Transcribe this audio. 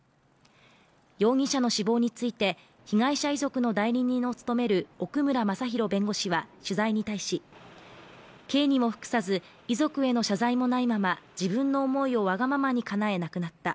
容疑者の死亡について被害者遺族の代理人を務める奥村昌裕弁護士は取材に対し、刑にも服さず、遺族への謝罪もないまま自分の思いをわがままにかなえ亡くなった。